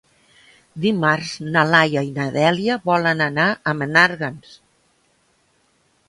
Dimarts na Laia i na Dèlia volen anar a Menàrguens.